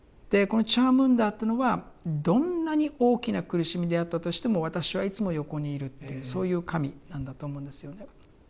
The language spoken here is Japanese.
このチャームンダーっていうのはどんなに大きな苦しみであったとしても私はいつも横にいるっていうそういう神なんだと思うんですよね。